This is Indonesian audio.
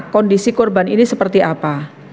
kondisi korban ini seperti apa